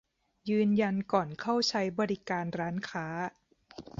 ยืนยันก่อนเข้าใช้บริการร้านค้า